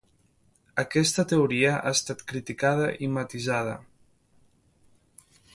Aquesta teoria ha estat criticada i matisada.